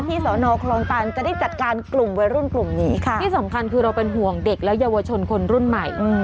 สอนอคลองตันจะได้จัดการกลุ่มวัยรุ่นกลุ่มนี้ค่ะที่สำคัญคือเราเป็นห่วงเด็กและเยาวชนคนรุ่นใหม่